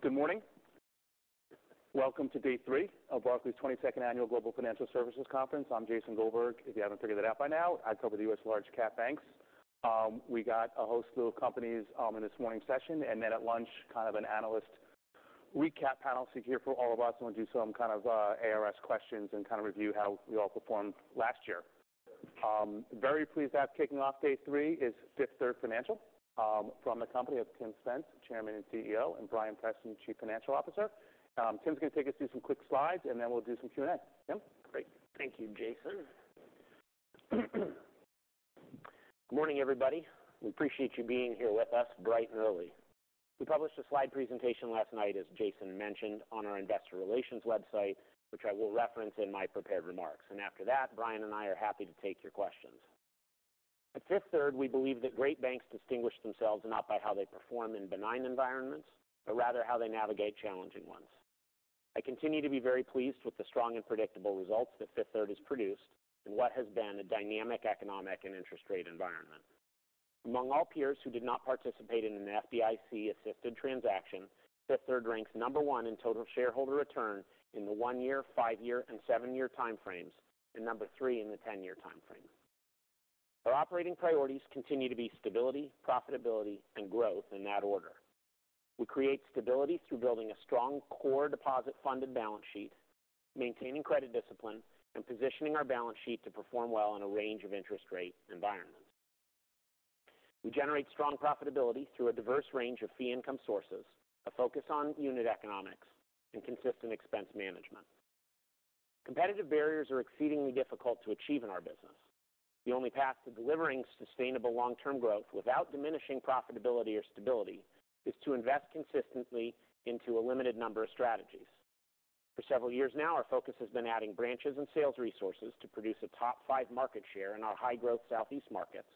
Good morning. Welcome to day three of Barclays' twenty-second Annual Global Financial Services Conference. I'm Jason Goldberg. If you haven't figured it out by now, I cover the US large cap banks. We got a host of companies in this morning's session, and then at lunch, kind of an analyst recap panel secured for all of us and we'll do some kind of ARS questions and kind of review how we all performed last year. Very pleased to have kicking off day three is Fifth Third Bancorp. From the company of Tim Spence, Chairman and CEO, and Bryan Preston, Chief Financial Officer. Tim's going to take us through some quick slides, and then we'll do some Q&A. Tim? Great. Thank you, Jason. Good morning, everybody. We appreciate you being here with us bright and early. We published a slide presentation last night, as Jason mentioned, on our investor relations website, which I will reference in my prepared remarks, and after that, Bryan and I are happy to take your questions. At Fifth Third, we believe that great banks distinguish themselves not by how they perform in benign environments, but rather how they navigate challenging ones. I continue to be very pleased with the strong and predictable results that Fifth Third has produced in what has been a dynamic, economic, and interest rate environment. Among all peers who did not participate in an FDIC-assisted transaction, Fifth Third ranks number one in total shareholder return in the one-year, five-year, and seven-year time frames, and number three in the ten-year time frame. Our operating priorities continue to be stability, profitability, and growth, in that order. We create stability through building a strong core deposit-funded balance sheet, maintaining credit discipline, and positioning our balance sheet to perform well in a range of interest rate environments. We generate strong profitability through a diverse range of fee income sources, a focus on unit economics, and consistent expense management. Competitive barriers are exceedingly difficult to achieve in our business. The only path to delivering sustainable long-term growth without diminishing profitability or stability is to invest consistently into a limited number of strategies. For several years now, our focus has been adding branches and sales resources to produce a top five market share in our high-growth Southeast markets,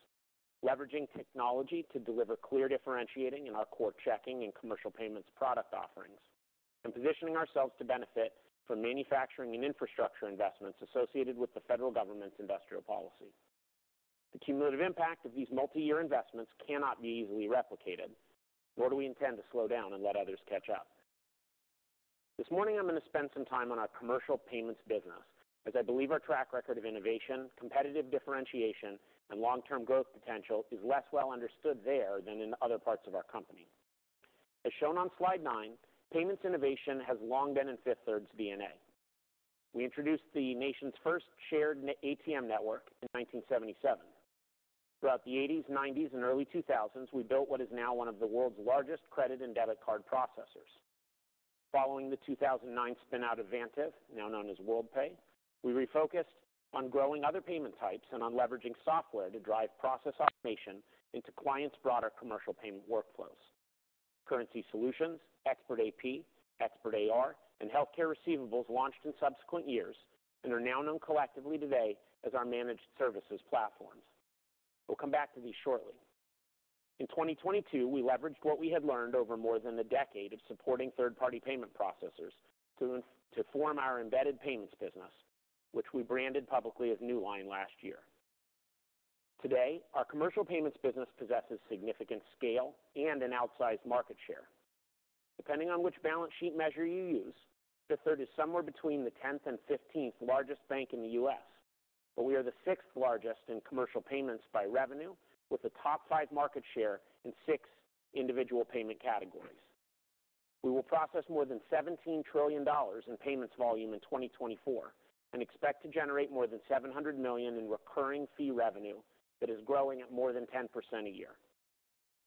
leveraging technology to deliver clear differentiating in our core checking and commercial payments product offerings, and positioning ourselves to benefit from manufacturing and infrastructure investments associated with the federal government's industrial policy. The cumulative impact of these multi-year investments cannot be easily replicated, nor do we intend to slow down and let others catch up. This morning, I'm going to spend some time on our commercial payments business, as I believe our track record of innovation, competitive differentiation, and long-term growth potential is less well understood there than in other parts of our company. As shown on slide nine, payments innovation has long been in Fifth Third's DNA. We introduced the nation's first shared ATM network in nineteen seventy-seven. Throughout the eighties, nineties, and early 2000s, we built what is now one of the world's largest credit and debit card processors. Following the two thousand and nine spin out of Vantiv, now known as Worldpay, we refocused on growing other payment types and on leveraging software to drive process automation into clients' broader commercial payment workflows. Currency Solutions, Expert AP, Expert AR, and Healthcare Receivables launched in subsequent years and are now known collectively today as our Managed Services platforms. We'll come back to these shortly. In twenty twenty-two, we leveraged what we had learned over more than a decade of supporting third-party payment processors to form our embedded payments business, which we branded publicly as Newline last year. Today, our commercial payments business possesses significant scale and an outsized market share. Depending on which balance sheet measure you use, Fifth Third is somewhere between the tenth and fifteenth largest bank in the U.S., but we are the sixth largest in commercial payments by revenue, with a top five market share in six individual payment categories. We will process more than $17 trillion in payments volume in twenty twenty-four and expect to generate more than $700 million in recurring fee revenue that is growing at more than 10% a year.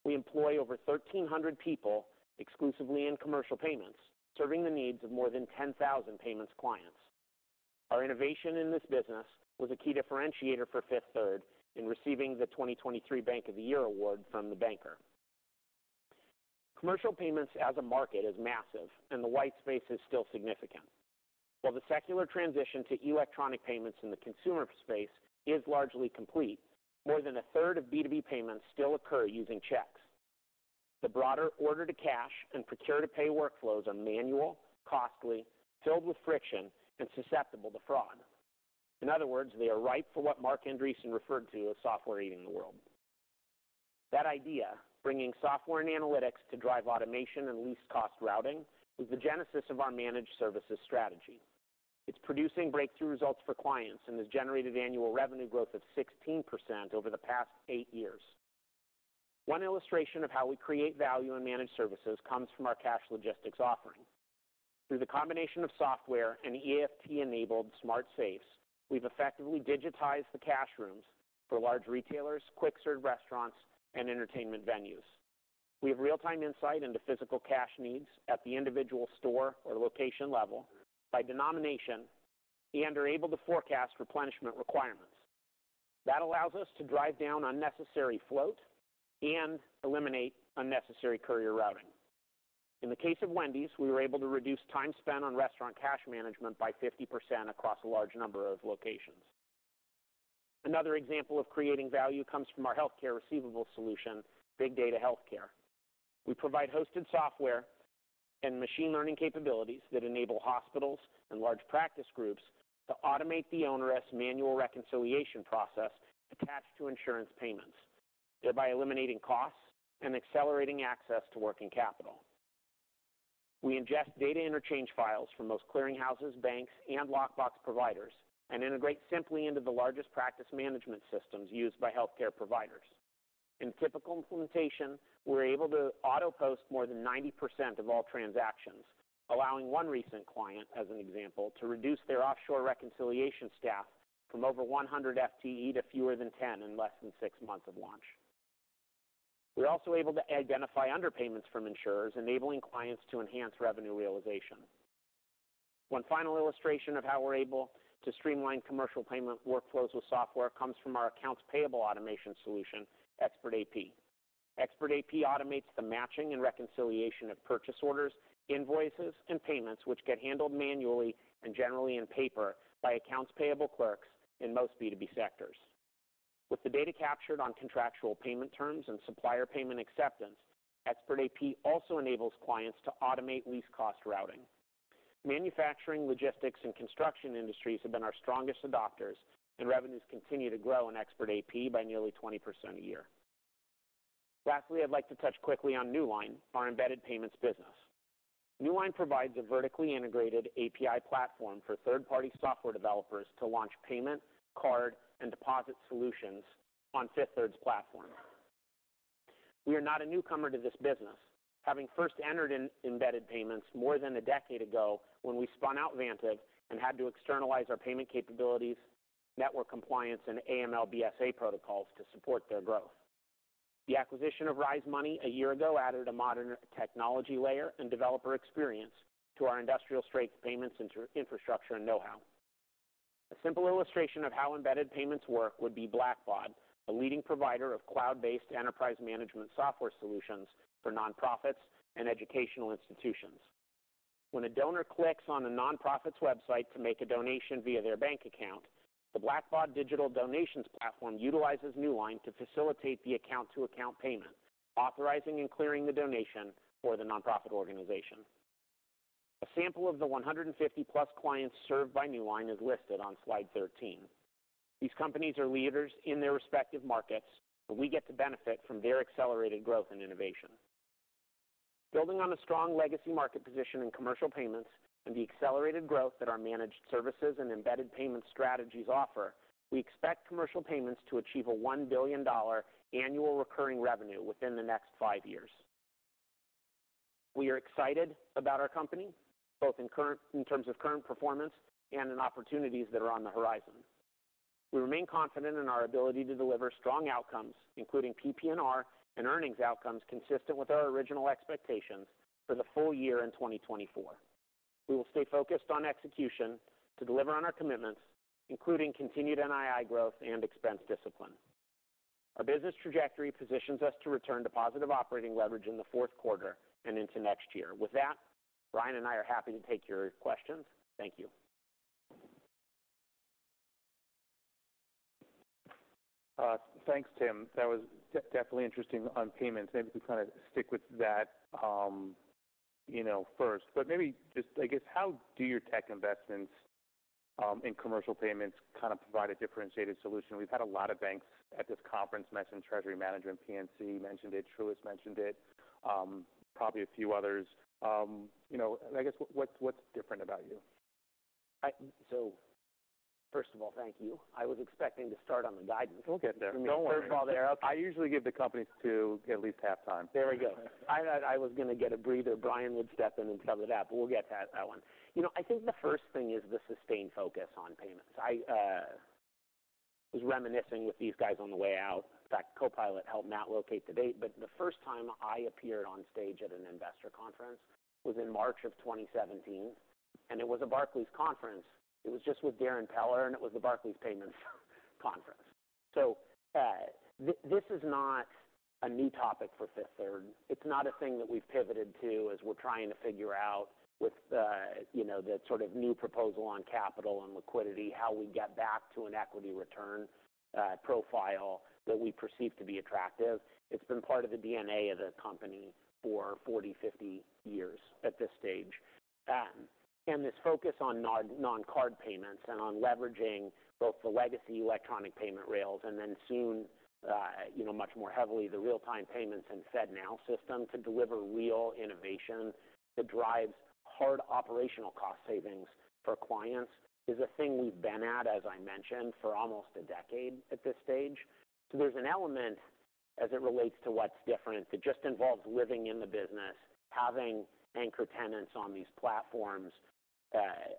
We employ over 1,300 people exclusively in commercial payments, serving the needs of more than 10,000 payments clients. Our innovation in this business was a key differentiator for Fifth Third in receiving the twenty twenty-three Bank of the Year award from The Banker. Commercial payments as a market is massive, and the white space is still significant. While the secular transition to electronic payments in the consumer space is largely complete, more than a third of B2B payments still occur using checks. The broader order to cash and procure to pay workflows are manual, costly, filled with friction, and susceptible to fraud. In other words, they are ripe for what Marc Andreessen referred to as software eating the world. That idea, bringing software and analytics to drive automation and least cost routing, is the genesis of our managed services strategy. It's producing breakthrough results for clients and has generated annual revenue growth of 16% over the past eight years. One illustration of how we create value in managed services comes from our cash logistics offering. Through the combination of software and EFT-enabled smart safes, we've effectively digitized the cash rooms for large retailers, quick serve restaurants, and entertainment venues. We have real-time insight into physical cash needs at the individual store or location level by denomination, and are able to forecast replenishment requirements. That allows us to drive down unnecessary float and eliminate unnecessary courier routing. In the case of Wendy's, we were able to reduce time spent on restaurant cash management by 50% across a large number of locations. Another example of creating value comes from our healthcare receivable solution, Big Data Healthcare. We provide hosted software and machine learning capabilities that enable hospitals and large practice groups to automate the onerous manual reconciliation process attached to insurance payments, thereby eliminating costs and accelerating access to working capital. We ingest data interchange files from most clearing houses, banks, and lockbox providers, and integrate simply into the largest practice management systems used by healthcare providers. In typical implementation, we're able to auto-post more than 90% of all transactions, allowing one recent client, as an example, to reduce their offshore reconciliation staff from over 100 FTE to fewer than 10 in less than six months of launch. We're also able to identify underpayments from insurers, enabling clients to enhance revenue realization. One final illustration of how we're able to streamline commercial payment workflows with software comes from our accounts payable automation solution, Expert AP. Expert AP automates the matching and reconciliation of purchase orders, invoices, and payments, which get handled manually and generally in paper, by accounts payable clerks in most B2B sectors. With the data captured on contractual payment terms and supplier payment acceptance, Expert AP also enables clients to automate least cost routing. Manufacturing, logistics, and construction industries have been our strongest adopters, and revenues continue to grow in Expert AP by nearly 20% a year. Lastly, I'd like to touch quickly on Newline, our embedded payments business. Newline provides a vertically integrated API platform for third-party software developers to launch payment, card, and deposit solutions on Fifth Third's platform. We are not a newcomer to this business, having first entered in embedded payments more than a decade ago when we spun out Vantiv and had to externalize our payment capabilities, network compliance, and AML BSA protocols to support their growth. The acquisition of Rize Money a year ago added a modern technology layer and developer experience to our industrial-strength payments infrastructure and know-how. A simple illustration of how embedded payments work would be Blackbaud, a leading provider of cloud-based enterprise management software solutions for nonprofits and educational institutions. When a donor clicks on a nonprofit's website to make a donation via their bank account, the Blackbaud digital donations platform utilizes Newline to facilitate the account-to-account payment, authorizing and clearing the donation for the nonprofit organization. A sample of the 150-plus clients served by Newline is listed on slide 13. These companies are leaders in their respective markets, and we get to benefit from their accelerated growth and innovation. Building on a strong legacy market position in commercial payments and the accelerated growth that our managed services and embedded payment strategies offer, we expect commercial payments to achieve a $1 billion annual recurring revenue within the next five years. We are excited about our company, both in terms of current performance and in opportunities that are on the horizon. We remain confident in our ability to deliver strong outcomes, including PPNR and earnings outcomes, consistent with our original expectations for the full year in 2024. We will stay focused on execution to deliver on our commitments, including continued NII growth and expense discipline. Our business trajectory positions us to return to positive operating leverage in the fourth quarter and into next year. With that, Bryan and I are happy to take your questions. Thank you. Thanks, Tim. That was definitely interesting on payments. Maybe we kind of stick with that, you know, first, but maybe just, I guess, how do your tech investments in commercial payments kind of provide a differentiated solution? We've had a lot of banks at this conference mention treasury management. PNC mentioned it, Truist mentioned it, probably a few others. You know, I guess, what's different about you? So first of all, thank you. I was expecting to start on the guidance. We'll get there. Don't worry. I usually give the companies to at least half time. There we go. I thought I was going to get a breather. Bryan would step in and cover that, but we'll get to that one. You know, I think the first thing is the sustained focus on payments. I was reminiscing with these guys on the way out. In fact, Copilot helped Matt locate the date, but the first time I appeared on stage at an investor conference was in March of 2017, and it was a Barclays conference. It was just with Darren Peller, and it was the Barclays Payments Conference. So, this is not a new topic for Fifth Third. It's not a thing that we've pivoted to as we're trying to figure out with, you know, the sort of new proposal on capital and liquidity, how we get back to an equity return profile that we perceive to be attractive. It's been part of the DNA of the company for forty, fifty years at this stage. And this focus on non-card payments and on leveraging both the legacy electronic payment rails and then soon, you know, much more heavily, the real-time payments and FedNow system to deliver real innovation that drives hard operational cost savings for clients, is a thing we've been at, as I mentioned, for almost a decade at this stage. So there's an element as it relates to what's different, that just involves living in the business, having anchor tenants on these platforms,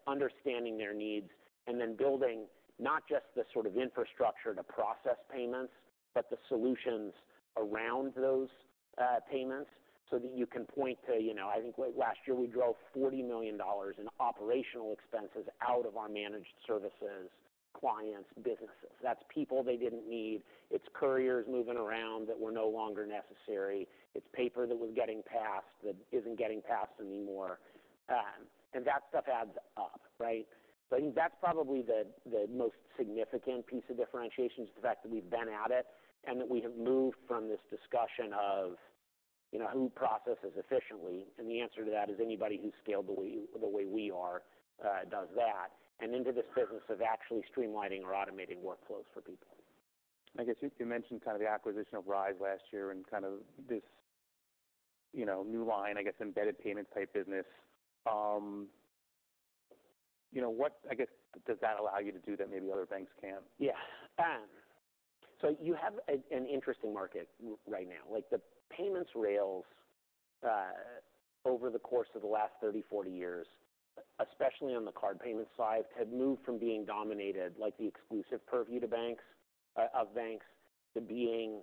understanding their needs, and then building not just the sort of infrastructure to process payments, but the solutions around those payments, so that you can point to, you know. I think last year we drove $40 million in operational expenses out of our managed services, clients, businesses. That's people they didn't need. It's couriers moving around that were no longer necessary. It's paper that was getting passed, that isn't getting passed anymore. And that stuff adds up, right? So I think that's probably the most significant piece of differentiation, is the fact that we've been at it, and that we have moved from this discussion of you know, who processes efficiently? And the answer to that is anybody who's scaled the way we are does that. And into this business of actually streamlining or automating workflows for people. I guess you mentioned kind of the acquisition of Rize last year and kind of this, you know, Newline, I guess, embedded payment type business. You know, what, I guess, does that allow you to do that maybe other banks can't? Yeah. So you have an interesting market right now. Like, the payments rails over the course of the last thirty, forty years, especially on the card payment side, have moved from being dominated, like the exclusive purview to banks of banks, to being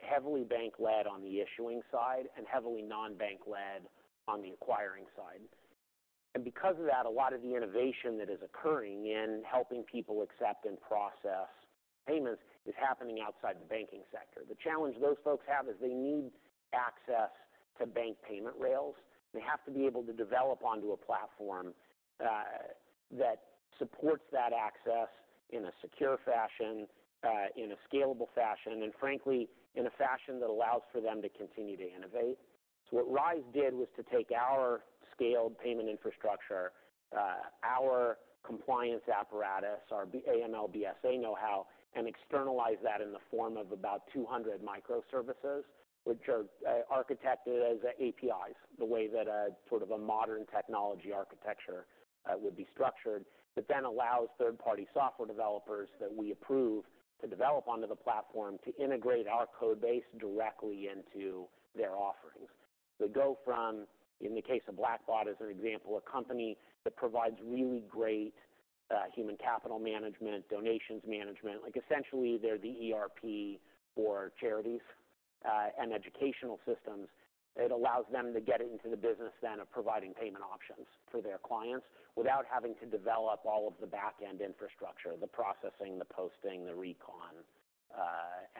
heavily bank-led on the issuing side and heavily non-bank-led on the acquiring side. And because of that, a lot of the innovation that is occurring in helping people accept and process payments is happening outside the banking sector. The challenge those folks have is they need access to bank payment rails. They have to be able to develop onto a platform that supports that access in a secure fashion, in a scalable fashion, and frankly, in a fashion that allows for them to continue to innovate. So what Rize did was to take our scaled payment infrastructure, our compliance apparatus, our BSA AML BSA know-how, and externalize that in the form of about 200 microservices, which are, architected as APIs, the way that a sort of a modern technology architecture, would be structured. That then allows third-party software developers that we approve to develop onto the platform to integrate our code base directly into their offerings. So go from, in the case of Blackbaud, as an example, a company that provides really great, human capital management, donations management. Like, essentially, they're the ERP for charities, and educational systems. It allows them to get into the business then of providing payment options for their clients without having to develop all of the back-end infrastructure, the processing, the posting, the recon,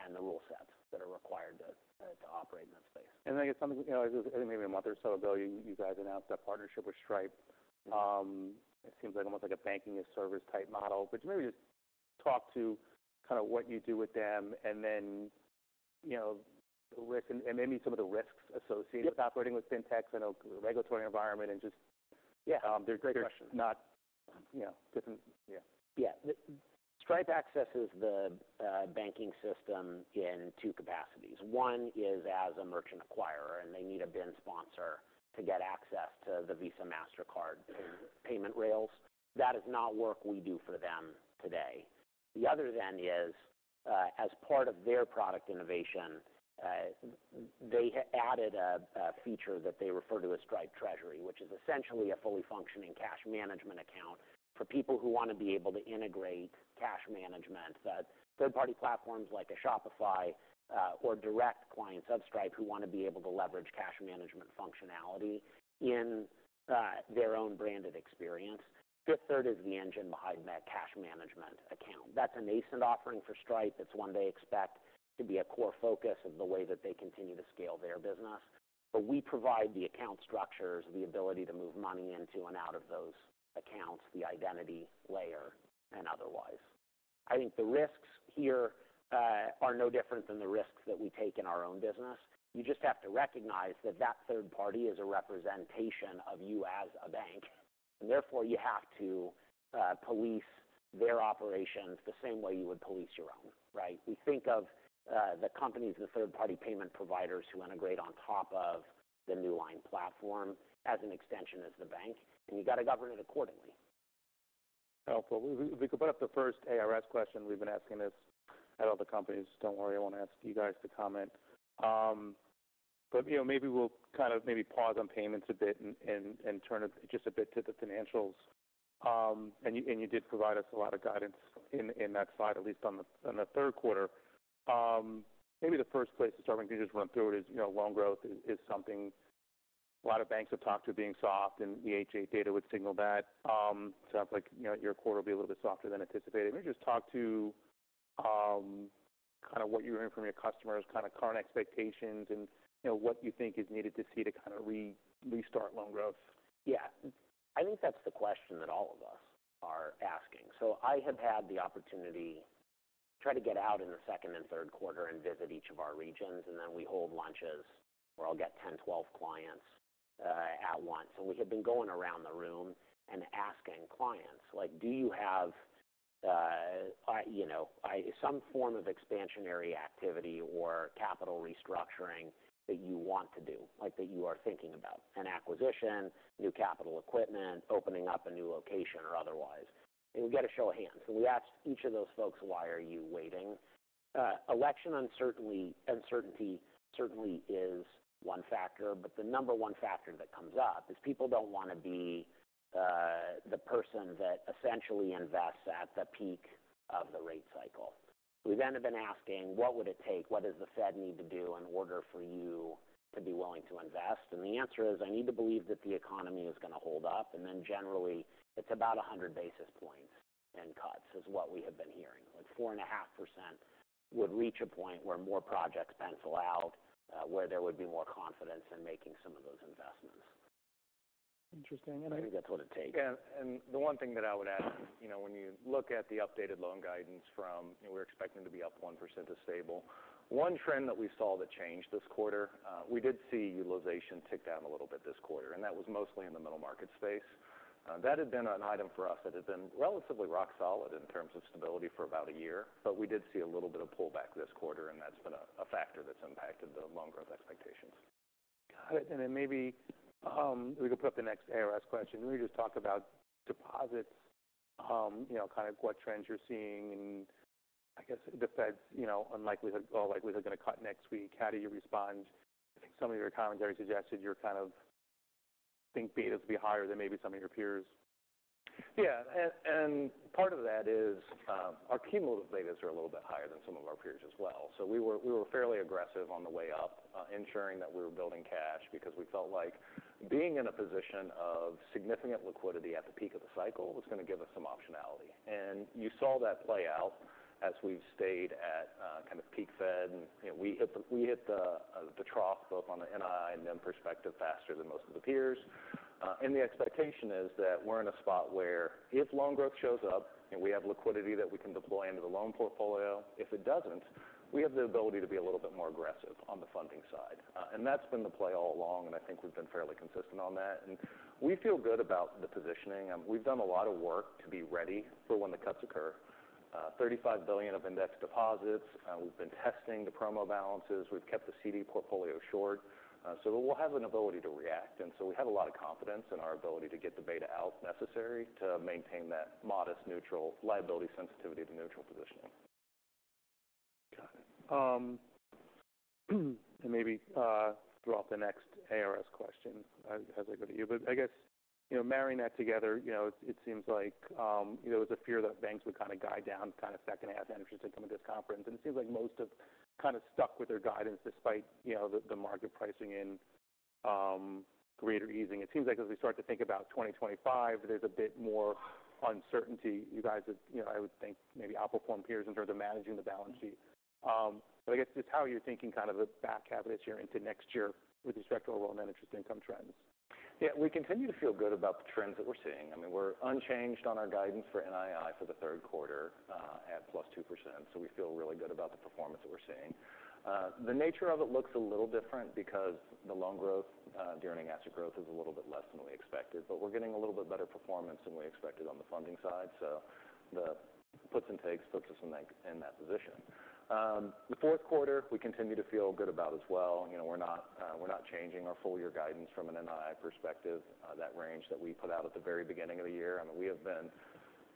and the rule sets that are required to operate in that space. I guess something. You know, I think maybe a month or so ago, you guys announced a partnership with Stripe. It seems like almost like a banking-as-a-service type model. But maybe just talk to kind of what you do with them and then, you know, risk- and maybe some of the risks associated- Yep with operating with FinTechs in a regulatory environment and just Yeah, great question. They're not, you know, different. Yeah. Yeah. Stripe accesses the banking system in two capacities. One is as a merchant acquirer, and they need a BIN sponsor to get access to the Visa, Mastercard payment rails. That is not work we do for them today. The other then is as part of their product innovation, they added a feature that they refer to as Stripe Treasury, which is essentially a fully functioning cash management account for people who want to be able to integrate cash management that third-party platforms like a Shopify or direct clients of Stripe, who want to be able to leverage cash management functionality in their own branded experience. Fifth Third is the engine behind that cash management account. That's a nascent offering for Stripe. It's one they expect to be a core focus of the way that they continue to scale their business. But we provide the account structures, the ability to move money into and out of those accounts, the identity layer, and otherwise. I think the risks here are no different than the risks that we take in our own business. You just have to recognize that that third party is a representation of you as a bank, and therefore, you have to police their operations the same way you would police your own, right? We think of the companies and the third-party payment providers who integrate on top of the New Line platform as an extension of the bank, and you've got to govern it accordingly. Oh, well, we could put up the first ARS question. We've been asking this at all the companies. Don't worry, I won't ask you guys to comment. But, you know, maybe we'll kind of pause on payments a bit and turn it just a bit to the financials. And you did provide us a lot of guidance in that slide, at least on the third quarter. Maybe the first place to start, we can just run through it, is, you know, loan growth is something a lot of banks have talked to being soft, and the H8 data would signal that. So like, you know, your quarter will be a little bit softer than anticipated. Maybe just talk to kind of what you're hearing from your customers, kind of current expectations and, you know, what you think is needed to see to kind of restart loan growth. Yeah. I think that's the question that all of us are asking, so I have had the opportunity to try to get out in the second and third quarter and visit each of our regions, and then we hold lunches where I'll get 10, 12 clients at once. And we have been going around the room and asking clients, like, "Do you have, you know, some form of expansionary activity or capital restructuring that you want to do, like, that you are thinking about? An acquisition, new capital equipment, opening up a new location or otherwise?" And we get a show of hands. So we asked each of those folks, "Why are you waiting?" Election uncertainty certainly is one factor, but the number one factor that comes up is people don't want to be the person that essentially invests at the peak of the rate cycle. We then have been asking: What would it take? What does the Fed need to do in order for you to be willing to invest? And the answer is: I need to believe that the economy is going to hold up, and then generally, it's about 100 basis points in cuts, is what we have been hearing. Like 4.5% would reach a point where more projects pencil out, where there would be more confidence in making some of those investments.... interesting, and I think that's what it takes. Yeah, and the one thing that I would add, you know, when you look at the updated loan guidance from, we're expecting to be up 1% to stable. One trend that we saw that changed this quarter, we did see utilization tick down a little bit this quarter, and that was mostly in the middle market space. That had been an item for us that had been relatively rock solid in terms of stability for about a year, but we did see a little bit of pullback this quarter, and that's been a factor that's impacted the loan growth expectations. Got it. And then maybe, we could put up the next ARS question. Can we just talk about deposits, you know, kind of what trends you're seeing and I guess the Feds, you know, unlikelihood or likelihood going to cut next week? How do you respond? I think some of your commentary suggested you're kind of think betas will be higher than maybe some of your peers. Yeah, and part of that is, our cumulative betas are a little bit higher than some of our peers as well. So we were fairly aggressive on the way up, ensuring that we were building cash because we felt like being in a position of significant liquidity at the peak of the cycle was going to give us some optionality. And you saw that play out as we've stayed at kind of peak Fed, and we hit the trough, both on the NII and then prospectively faster than most of the peers. And the expectation is that we're in a spot where if loan growth shows up and we have liquidity that we can deploy into the loan portfolio, if it doesn't, we have the ability to be a little bit more aggressive on the funding side. And that's been the play all along, and I think we've been fairly consistent on that, and we feel good about the positioning. We've done a lot of work to be ready for when the cuts occur. $35 billion of index deposits. We've been testing the promo balances. We've kept the CD portfolio short, so we'll have an ability to react. And so we have a lot of confidence in our ability to get the beta out necessary to maintain that modest neutral liability sensitivity to neutral positioning. Got it. And maybe throw out the next ARS question as I go to you. But I guess, you know, marrying that together, you know, it, it seems like, you know, there was a fear that banks would kind of guide down kind of second half interest income at this conference, and it seems like most have kind of stuck with their guidance despite, you know, the, the market pricing in, greater easing. It seems like as we start to think about twenty twenty-five, there's a bit more uncertainty. You guys have, you know, I would think maybe outperform peers in terms of managing the balance sheet. But I guess just how you're thinking kind of the back half of this year into next year with respect to our loan and interest income trends. Yeah, we continue to feel good about the trends that we're seeing. I mean, we're unchanged on our guidance for NII for the third quarter at +2%. So we feel really good about the performance that we're seeing. The nature of it looks a little different because the loan growth during asset growth is a little bit less than we expected, but we're getting a little bit better performance than we expected on the funding side. So the puts and takes puts us in that position. The fourth quarter, we continue to feel good about as well. You know, we're not changing our full year guidance from an NII perspective. That range that we put out at the very beginning of the year, I mean, we have been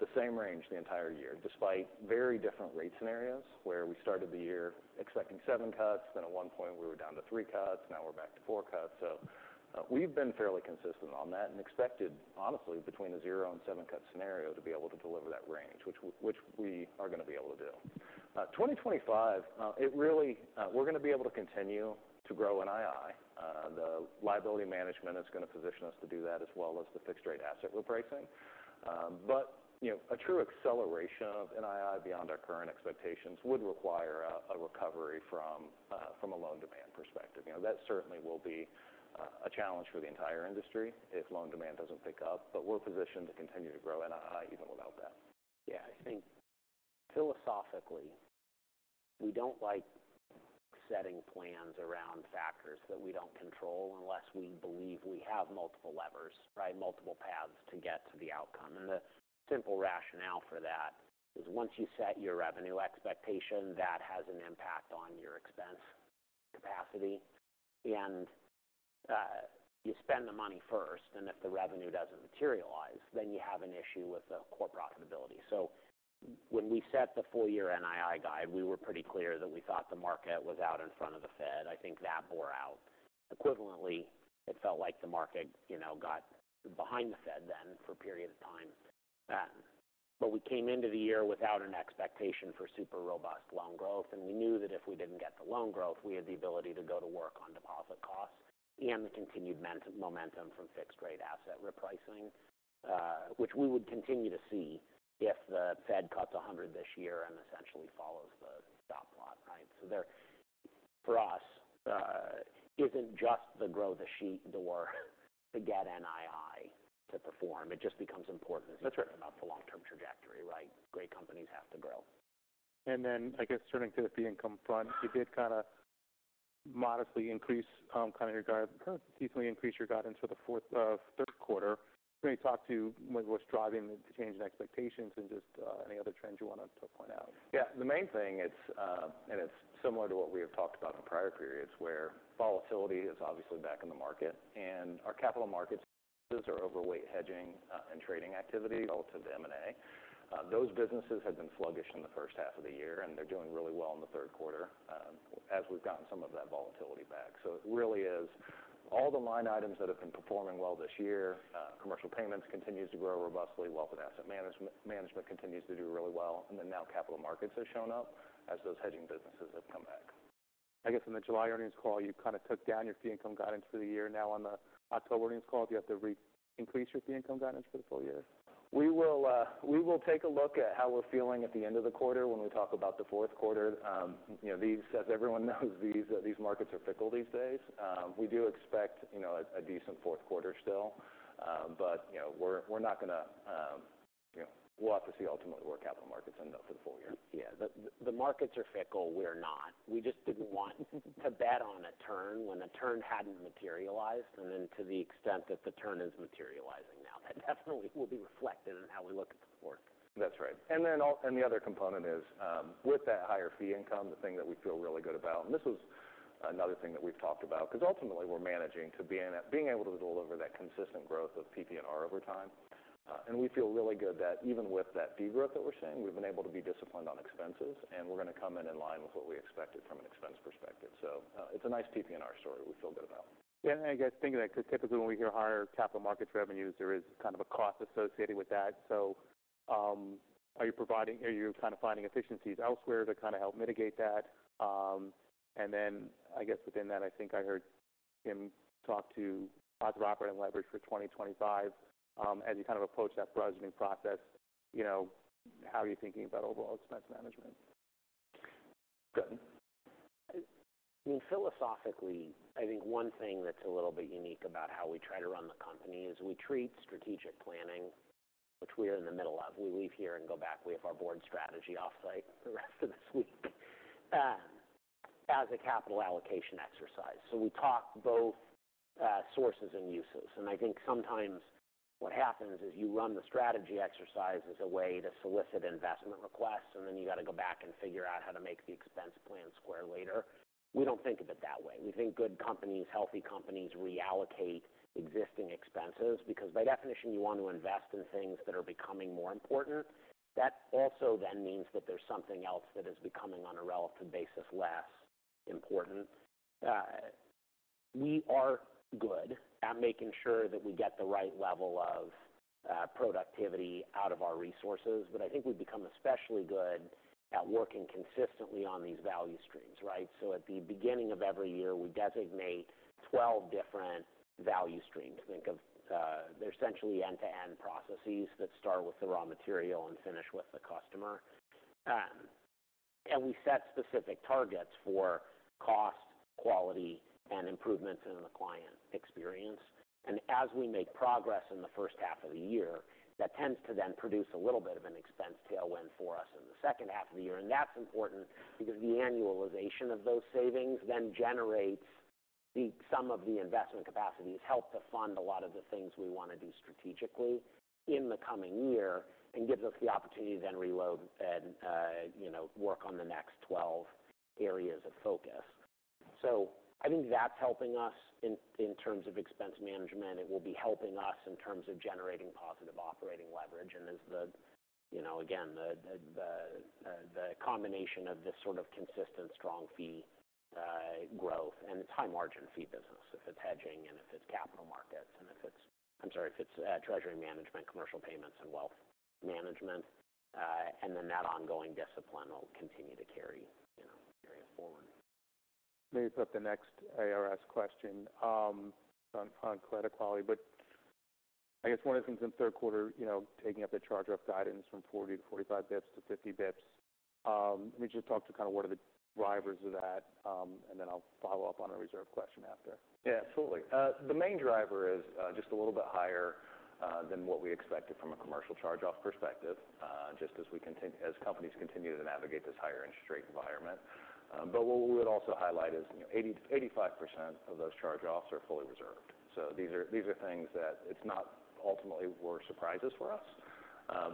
the same range the entire year, despite very different rate scenarios, where we started the year expecting seven cuts, then at one point we were down to three cuts, now we're back to four cuts. So we've been fairly consistent on that and expected, honestly, between a zero and seven cut scenario to be able to deliver that range, which we are going to be able to do. 2025, it really, we're going to be able to continue to grow NII. The liability management is going to position us to do that, as well as the fixed rate asset repricing. But you know, a true acceleration of NII beyond our current expectations would require a recovery from a loan demand perspective. You know, that certainly will be a challenge for the entire industry if loan demand doesn't pick up, but we're positioned to continue to grow NII even without that. Yeah. I think philosophically, we don't like setting plans around factors that we don't control unless we believe we have multiple levers, right? Multiple paths to get to the outcome, and the simple rationale for that is once you set your revenue expectation, that has an impact on your expense capacity, and you spend the money first, and if the revenue doesn't materialize, then you have an issue with the core profitability, so when we set the full year NII guide, we were pretty clear that we thought the market was out in front of the Fed. I think that bore out. Equivalently, it felt like the market, you know, got behind the Fed then for a period of time then. But we came into the year without an expectation for super robust loan growth, and we knew that if we didn't get the loan growth, we had the ability to go to work on deposit costs and the continued momentum from fixed rate asset repricing, which we would continue to see if the Fed cuts a hundred this year and essentially follows the dot plot, right? So there for us isn't just the growth in the balance sheet or to get NII to perform. It just becomes important- That's right. As you think about the long-term trajectory, right? Great companies have to grow. And then, I guess turning to the fee income front, you did kind of modestly increase, kind of your guide, kind of decently increase your guidance for the fourth, third quarter. Can you talk to what, what's driving the change in expectations and just, any other trends you wanted to point out? Yeah. The main thing it's, and it's similar to what we have talked about in prior periods, where volatility is obviously back in the market and our capital markets are overweight hedging, and trading activity relative to M&A. Those businesses had been sluggish in the first half of the year, and they're doing really well in the third quarter, as we've gotten some of that volatility back. So it really is all the line items that have been performing well this year. Commercial payments continues to grow robustly, wealth and asset management continues to do really well, and then now capital markets have shown up as those hedging businesses have come back. I guess in the July earnings call, you kind of took down your fee income guidance for the year. Now, on the October earnings call, do you have to re-increase your fee income guidance for the full year? We will take a look at how we're feeling at the end of the quarter when we talk about the fourth quarter. You know, as everyone knows, these markets are fickle these days. We do expect, you know, a decent fourth quarter still. But, you know, we're not going to. Yeah, we'll have to see ultimately where capital markets end up for the full year. Yeah, the markets are fickle, we're not. We just didn't want to bet on a turn when a turn hadn't materialized, and then to the extent that the turn is materializing now, that definitely will be reflected in how we look at the fourth. That's right. And then the other component is, with that higher fee income, the thing that we feel really good about, and this is another thing that we've talked about, because ultimately, we're managing to being able to deliver that consistent growth of PPNR over time. And we feel really good that even with that fee growth that we're seeing, we've been able to be disciplined on expenses, and we're going to come in in line with what we expected from an expense perspective. It's a nice PPNR story we feel good about. Yeah, and I guess, thinking that, because typically when we hear higher capital markets revenues, there is kind of a cost associated with that. So, are you providing, are you kind of finding efficiencies elsewhere to kind of help mitigate that? And then I guess within that, I think I heard him talk to positive operating leverage for 2025. As you kind of approach that budgeting process, you know, how are you thinking about overall expense management? Good. I mean, philosophically, I think one thing that's a little bit unique about how we try to run the company is we treat strategic planning, which we are in the middle of. We leave here and go back. We have our board strategy offsite for the rest of this week, as a capital allocation exercise. So we talk both, sources and uses, and I think sometimes what happens is you run the strategy exercise as a way to solicit investment requests, and then you got to go back and figure out how to make the expense plan square later. We don't think of it that way. We think good companies, healthy companies, reallocate existing expenses, because by definition, you want to invest in things that are becoming more important. That also then means that there's something else that is becoming, on a relative basis, less important. We are good at making sure that we get the right level of productivity out of our resources, but I think we've become especially good at working consistently on these value streams, right? So at the beginning of every year, we designate 12 different value streams. Think of, they're essentially end-to-end processes that start with the raw material and finish with the customer. And we set specific targets for cost, quality, and improvements in the client experience. And as we make progress in the first half of the year, that tends to then produce a little bit of an expense tailwind for us in the second half of the year, and that's important because the annualization of those savings then generates some of the investment capacities, help to fund a lot of the things we want to do strategically in the coming year and gives us the opportunity to then reload and, you know, work on the next twelve areas of focus. So I think that's helping us in terms of expense management. It will be helping us in terms of generating positive operating leverage. And as you know, again, the combination of this sort of consistent, strong fee growth and its high-margin fee business, if it's hedging and if it's capital markets, and if it's—I'm sorry, if it's treasury management, commercial payments, and wealth management, and then that ongoing discipline will continue to carry, you know, carry it forward. Let me put the next ARS question on credit quality. But I guess one of the things in the third quarter, you know, taking up the charge-off guidance from 40 to 45 basis points to 50 basis points, let me just talk to kind of what are the drivers of that, and then I'll follow up on a reserve question after. Yeah, absolutely. The main driver is just a little bit higher than what we expected from a commercial charge-off perspective, just as companies continue to navigate this higher interest rate environment. But what we would also highlight is 80%-85% of those charge-offs are fully reserved. So these are, these are things that it's not ultimately were surprises for us,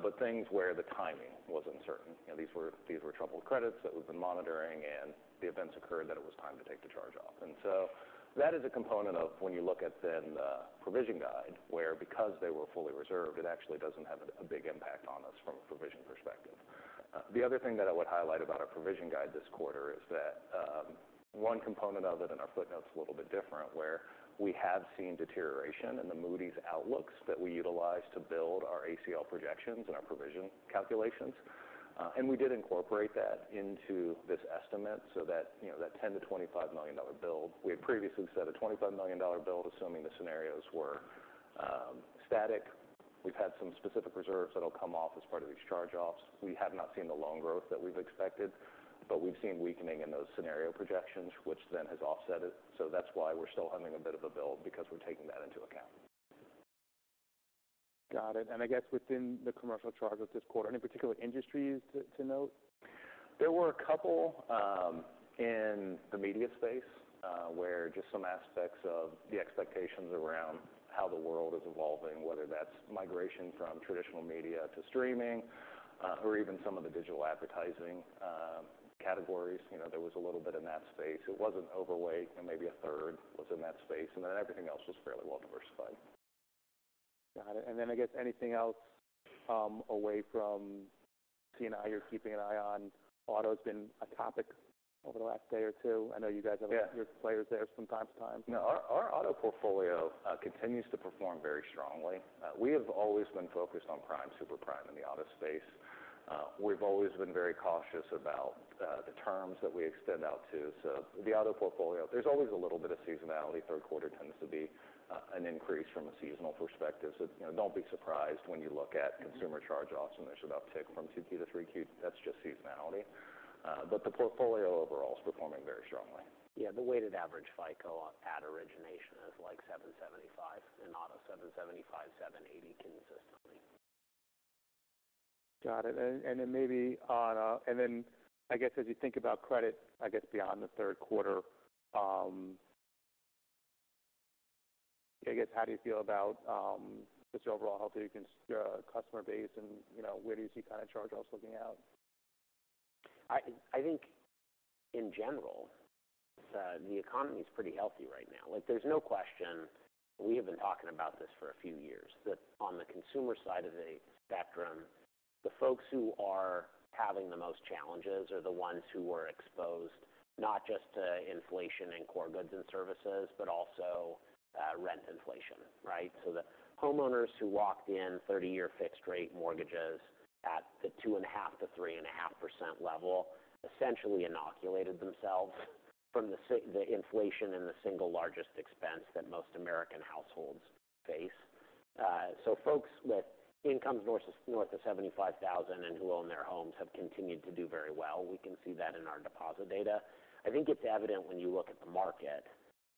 but things where the timing was uncertain. You know, these were, these were troubled credits that we've been monitoring, and the events occurred that it was time to take the charge off. And so that is a component of when you look at then the provision guide, where because they were fully reserved, it actually doesn't have a big impact on us from a provision perspective. The other thing that I would highlight about our provision guide this quarter is that, one component of it in our footnote is a little bit different, where we have seen deterioration in the Moody's outlooks that we utilize to build our ACL projections and our provision calculations, and we did incorporate that into this estimate so that, you know, that $10 million-$25 million build, we had previously said a $25 million build, assuming the scenarios were, static. We've had some specific reserves that'll come off as part of these charge-offs. We have not seen the loan growth that we've expected, but we've seen weakening in those scenario projections, which then has offset it. So that's why we're still humming a bit of a build, because we're taking that into account. Got it. And I guess within the commercial charge-off this quarter, any particular industries to note? There were a couple in the media space where just some aspects of the expectations around how the world is evolving, whether that's migration from traditional media to streaming or even some of the digital advertising categories. You know, there was a little bit in that space. It wasn't overweight, and maybe a third was in that space, and then everything else was fairly well diversified. Got it. And then I guess anything else, away from CNI you're keeping an eye on? Auto's been a topic over the last day or two. I know you guys have- Yeah. Your players there from time to time. No, our auto portfolio continues to perform very strongly. We have always been focused on prime, super prime in the auto space. We've always been very cautious about the terms that we extend out to, so the auto portfolio, there's always a little bit of seasonality. Third quarter tends to be an increase from a seasonal perspective, so, you know, don't be surprised when you look at consumer charge-offs, and there's an uptick from two Q to three Q. That's just seasonality, but the portfolio overall is performing very strongly. Yeah, the weighted average FICO at origination is like 775, in auto, 775, 780 consistently.... Got it. And then maybe on, and then I guess as you think about credit, I guess beyond the third quarter, I guess, how do you feel about just the overall health of your customer base and, you know, where do you see kind of charge-offs looking out? I think in general, the economy is pretty healthy right now. Like, there's no question, we have been talking about this for a few years, that on the consumer side of the spectrum, the folks who are having the most challenges are the ones who were exposed not just to inflation in core goods and services, but also, rent inflation, right? So the homeowners who locked in thirty-year fixed rate mortgages at the 2.5%-3.5% level, essentially inoculated themselves from the inflation and the single largest expense that most American households face. So folks with incomes north of 75,000 and who own their homes have continued to do very well. We can see that in our deposit data. I think it's evident when you look at the market,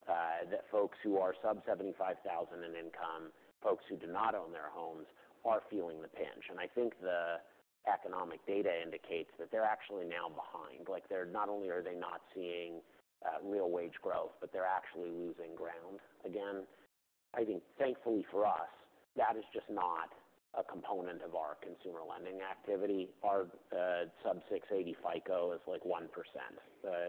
that folks who are sub $75,000 in income, folks who do not own their homes, are feeling the pinch. And I think the economic data indicates that they're actually now behind. Like, they're not only are they not seeing real wage growth, but they're actually losing ground again. I think thankfully for us, that is just not a component of our consumer lending activity. Our sub-680 FICO is like 1%,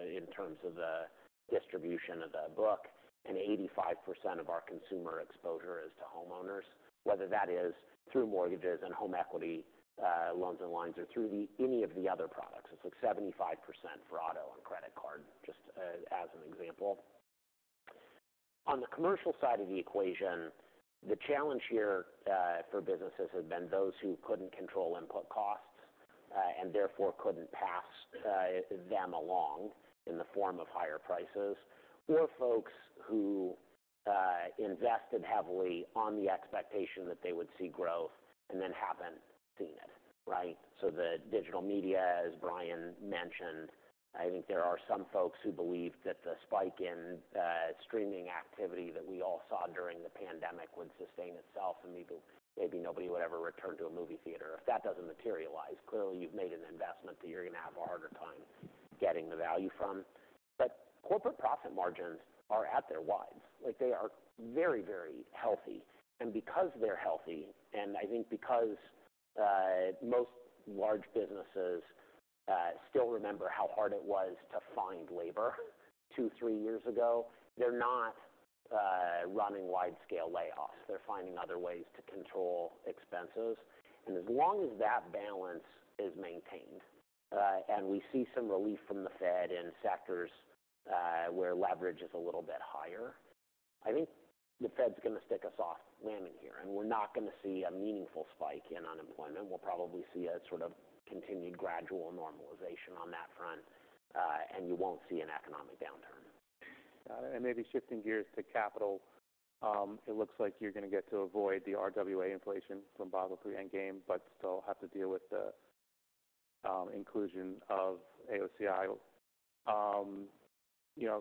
in terms of the distribution of the book, and 85% of our consumer exposure is to homeowners, whether that is through mortgages and home equity loans and lines, or through the any of the other products. It's like 75% for auto and credit card, just as an example. On the commercial side of the equation, the challenge here, for businesses has been those who couldn't control input costs, and therefore couldn't pass, them along in the form of higher prices, or folks who, invested heavily on the expectation that they would see growth and then haven't seen it, right? So the digital media, as Bryan mentioned, I think there are some folks who believed that the spike in, streaming activity that we all saw during the pandemic would sustain itself, and maybe, maybe nobody would ever return to a movie theater. If that doesn't materialize, clearly you've made an investment that you're going to have a harder time getting the value from. But corporate profit margins are at their widest. Like, they are very, very healthy, and because they're healthy, and I think because most large businesses still remember how hard it was to find labor two, three years ago, they're not running widescale layoffs. They're finding other ways to control expenses, and as long as that balance is maintained, and we see some relief from the Fed in sectors where leverage is a little bit higher, I think the Fed's going to stick a soft landing here, and we're not going to see a meaningful spike in unemployment. We'll probably see a sort of continued gradual normalization on that front, and you won't see an economic downturn. Maybe shifting gears to capital. It looks like you're going to get to avoid the RWA inflation from Basel III Endgame, but still have to deal with the inclusion of AOCI. You know,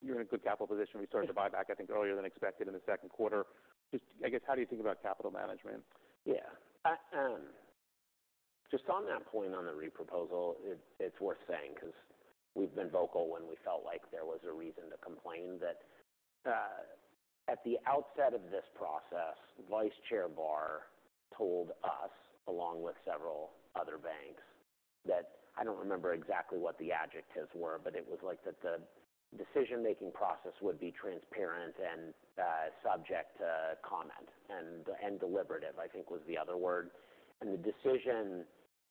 you're in a good capital position. Sure. We started to buy back, I think, earlier than expected in the second quarter. Just, I guess, how do you think about capital management? Yeah. Just on that point, on the re-proposal, it, it's worth saying, 'cause we've been vocal when we felt like there was a reason to complain, that, at the outset of this process, Vice Chair Barr told us, along with several other banks, that I don't remember exactly what the adjectives were, but it was like that the decision-making process would be transparent and, subject to comment, and deliberative, I think was the other word. And the decision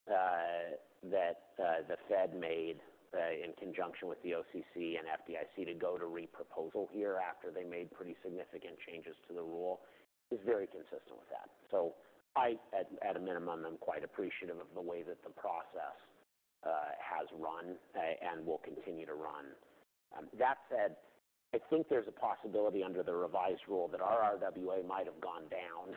that the Fed made, in conjunction with the OCC and FDIC to go to re-proposal here after they made pretty significant changes to the rule, is very consistent with that. So I, at a minimum, am quite appreciative of the way that the process has run, and will continue to run. That said, I think there's a possibility under the revised rule that our RWA might have gone down,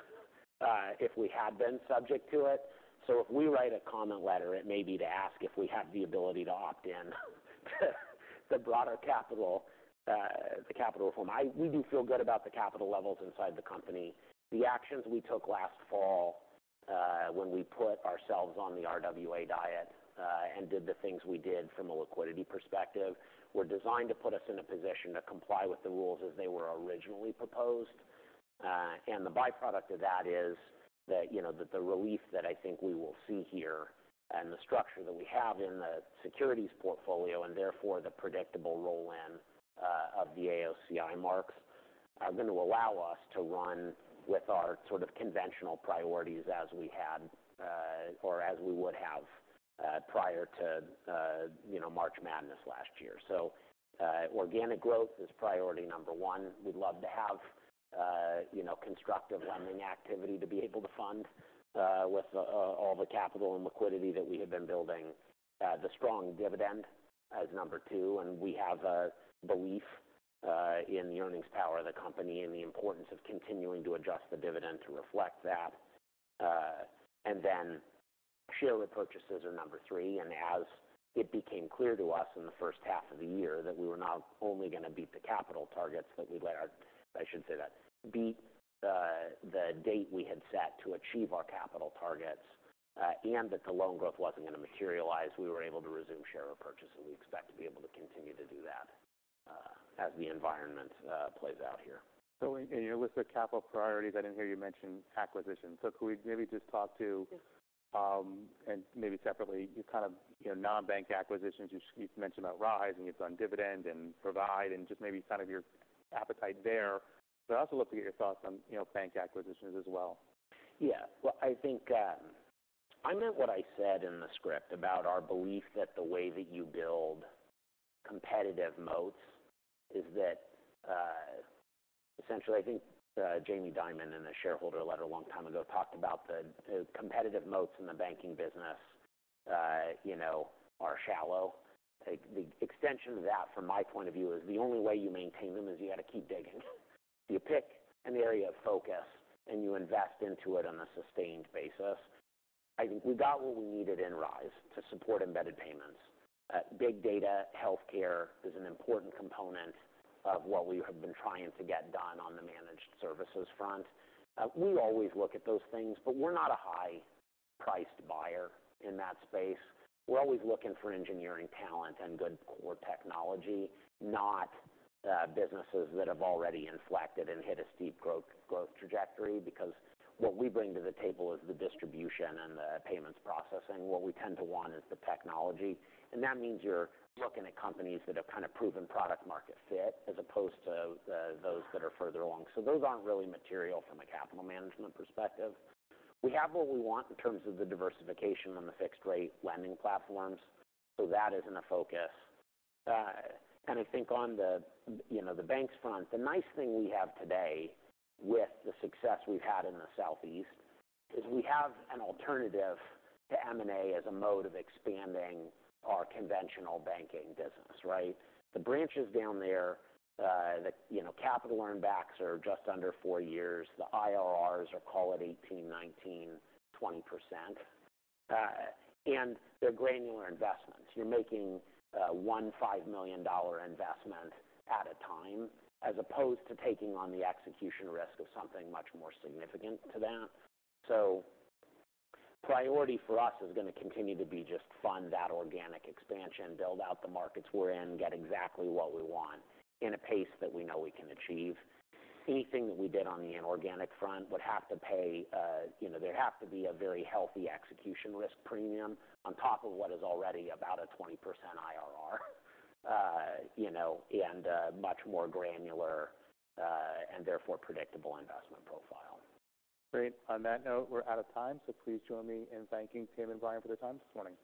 if we had been subject to it. So if we write a comment letter, it may be to ask if we have the ability to opt in to the broader capital, the capital form. We do feel good about the capital levels inside the company. The actions we took last fall, when we put ourselves on the RWA diet, and did the things we did from a liquidity perspective, were designed to put us in a position to comply with the rules as they were originally proposed. And the byproduct of that is that, you know, that the relief that I think we will see here and the structure that we have in the securities portfolio, and therefore the predictable roll-in, of the AOCI marks, are going to allow us to run with our sort of conventional priorities as we had, or as we would have, prior to, you know, March Madness last year. So, organic growth is priority number one. We'd love to have, you know, constructive lending activity to be able to fund with all the capital and liquidity that we have been building. The strong dividend as number two, and we have a belief in the earnings power of the company and the importance of continuing to adjust the dividend to reflect that. And then share repurchases are number three. As it became clear to us in the first half of the year that we were not only going to beat the capital targets, I should say, that beat the date we had set to achieve our capital targets, and that the loan growth wasn't going to materialize, we were able to resume share repurchase, and we expect to be able to continue to do that as the environment plays out here. So in your list of capital priorities, I didn't hear you mention acquisitions. So could we maybe just talk to, and maybe separately, you kind of, you know, non-bank acquisitions. You mentioned about Rise, and you've done Dividend and Provide, and just maybe kind of your appetite there. But I'd also love to get your thoughts on, you know, bank acquisitions as well. Yeah. Well, I think, I meant what I said in the script about our belief that the way that you build competitive moats is that, essentially, I think, Jamie Dimon, in a shareholder letter a long time ago, talked about the, the competitive moats in the banking business, you know, are shallow. Like, the extension of that, from my point of view, is the only way you maintain them is you got to keep digging. You pick an area of focus, and you invest into it on a sustained basis. I think we got what we needed in Rise to support embedded payments. Big Data Healthcare is an important component of what we have been trying to get done on the managed services front. We always look at those things, but we're not a high-priced buyer in that space. We're always looking for engineering talent and good core technology, not businesses that have already inflected and hit a steep growth trajectory. Because what we bring to the table is the distribution and the payments processing. What we tend to want is the technology, and that means you're looking at companies that have kind of proven product market fit, as opposed to those that are further along. So those aren't really material from a capital management perspective. We have what we want in terms of the diversification on the fixed-rate lending platforms, so that isn't a focus. And I think on the, you know, the banks front, the nice thing we have today with the success we've had in the Southeast is we have an alternative to M&A as a mode of expanding our conventional banking business, right? The branches down there, you know, capital earnbacks are just under four years. The IRRs are call it 18%-20%. And they're granular investments. You're making one $5 million investment at a time, as opposed to taking on the execution risk of something much more significant to that. So priority for us is going to continue to be just fund that organic expansion, build out the markets we're in, get exactly what we want in a pace that we know we can achieve. Anything that we did on the inorganic front would have to pay, there'd have to be a very healthy execution risk premium on top of what is already about a 20% IRR, much more granular and therefore predictable investment profile. Great. On that note, we're out of time, so please join me in thanking Tim and Bryan for their time this morning.